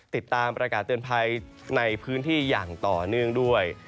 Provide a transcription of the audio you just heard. ติดตามประกาศเตือนภัยในพื้นที่อย่างต่อเนื่องด้วย